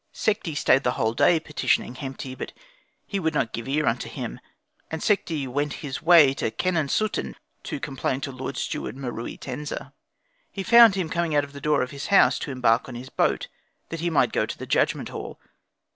Sekhti stayed the whole day petitioning Hemti, but he would not give ear unto him. And Sekhti went his way to Khenensuten to complain to the Lord Steward Meruitensa. He found him coming out from the door of his house to embark on his boat, that he might go to the judgment hall.